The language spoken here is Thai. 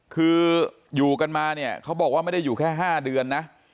คืออยู่กันมาเนี่ยเขาบอกว่าไม่ได้อยู่แค่๕เดือนนะ